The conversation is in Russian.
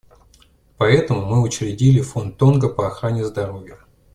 Поэтому мы учредили Фонд Тонга по охране здоровья.